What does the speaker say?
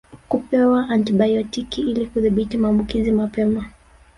Kupewa antibayotiki ili kudhibiti maambukizi mapema